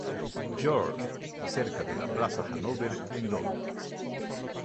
George, cerca de la plaza Hanover en Londres.